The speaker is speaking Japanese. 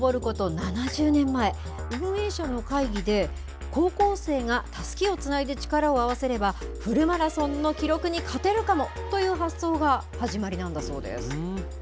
７０年前、運営者の会議で、高校生がタスキをつないで力を合わせれば、フルマラソンの記録に勝てるかもという発想が始まりなんだそうです。